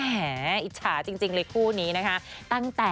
หมออิจฉาจริงเลยคู่นี้นะคะ